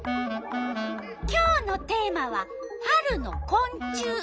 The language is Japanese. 今日のテーマは「春のこん虫」。